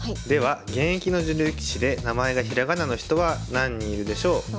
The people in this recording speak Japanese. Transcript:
では現役の女流棋士で名前がひらがなの人は何人いるでしょう？